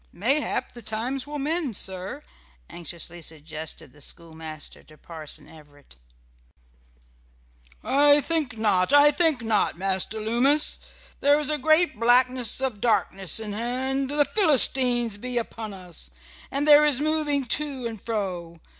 "Mayhap the times will mend, sir," anxiously suggested the schoolmaster to Parson Everett. "I think not, I think not, Master Loomis. There is a great blackness of darkness in hand, the Philistines be upon us, and there is moving to and fro.